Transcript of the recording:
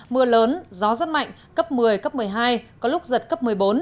mưa lớn gió rất mạnh cấp một mươi cấp một mươi hai có lúc giật cấp một mươi bốn